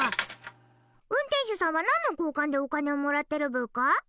運転手さんは何の交換でお金をもらってるブーカ？